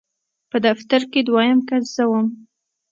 په دفتر کې دویم کس زه وم.